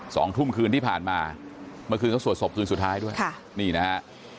สองทุ่มคืนที่ผ่านมาเมื่อคืนเขาสวดศพคืนสุดท้ายด้วยค่ะนี่นะฮะ